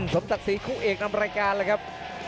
สมศักดิ์ศรีคู่เอกนำรายการเลยครับ